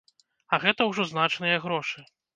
А гэта ўжо значныя грошы.